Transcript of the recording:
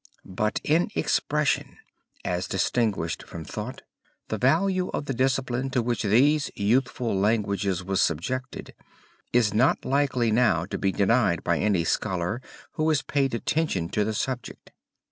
But in expression, as distinguished from thought, the value of the discipline to which these youthful languages was subjected is not likely now to be denied by any scholar who has paid attention to the subject.